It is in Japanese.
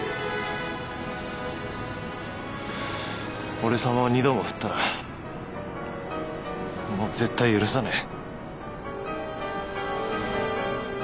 俺さまを二度も振ったらもう絶対許さねえ。